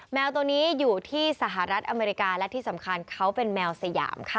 แมวตัวนี้อยู่ที่สหรัฐอเมริกาและที่สำคัญเขาเป็นแมวสยามค่ะ